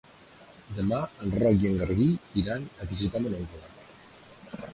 Demà en Roc i en Garbí iran a visitar mon oncle.